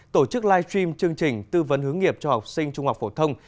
tổ chức live stream chương trình tư vấn hướng nghiệp cho học sinh trung học phổ thông